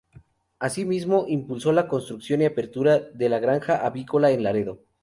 Asimismo, impulsó la construcción y apertura de la Granja Avícola en Laredo.